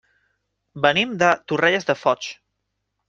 Venim de Torrelles de Foix.